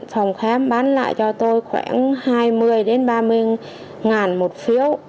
phòng khám bán lại cho tôi khoảng hai mươi ba mươi ngàn một phiếu